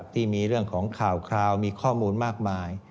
ที่มีเรื่องของข่าวคราวมีข้อมูลมากมาย